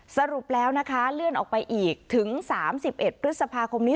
สรุปแล้วนะคะเลื่อนออกไปอีกถึง๓๑พฤษภาคมนี้